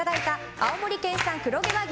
青森県産黒毛和牛